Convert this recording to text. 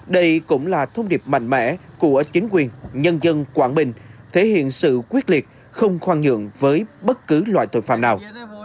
đây cũng là thông điệp mạnh mẽ của chính quyền nhân dân quảng bình thể hiện sự quyết liệt không khoan nhượng với bất cứ loại tội phạm nào